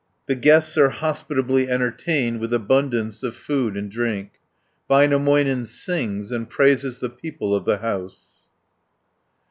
The guests are hospitably entertained with abundance of food and drink (227 252). Väinämöinen sings and praises the people of the house (253 438).